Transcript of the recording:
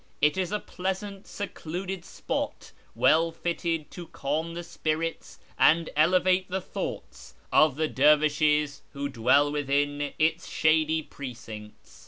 It is a pleasant secluded spot, well fitted to calm the spirits and elevate the thoughts of the dervishes who dwell within its shady precincts.